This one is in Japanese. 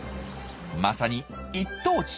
まさに一等地。